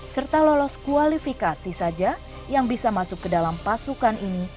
serta lolos kualifikasi saja yang bisa masuk ke dalam pasukan ini